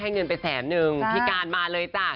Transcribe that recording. เงินไปแสนนึงพี่การมาเลยจ้ะ